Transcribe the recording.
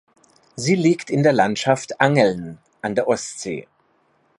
Sie liegt in der Landschaft Angeln an der Ostsee.